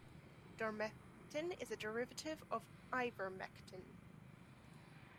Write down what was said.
Doramectin is a derivative of ivermectin.